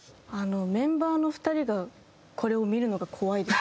メンバーの２人がこれを見るのが怖いです。